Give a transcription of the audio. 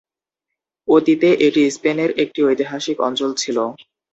অতীতে এটি স্পেনের একটি ঐতিহাসিক অঞ্চল ছিল।